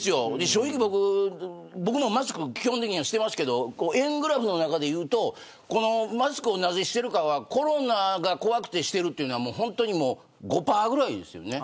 正直、僕もマスク、基本的にしてますけど円グラフの中でいうとなぜマスクをしているかはコロナが怖くてしているのは５％ぐらいです。